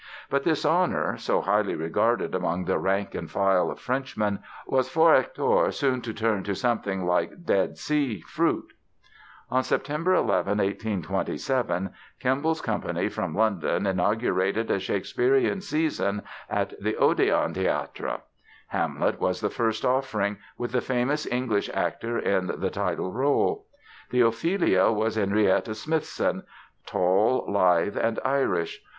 But this honor, so highly regarded among the rank and file of Frenchmen, was for Hector soon to turn to something like Dead Sea fruit. On Sept. 11, 1827, Kemble's company from London inaugurated a Shakespearian season at the Odéon Theatre. "Hamlet" was the first offering, with the famous English actor in the title role. The Ophelia was Henrietta Smithson, tall, lithe and Irish.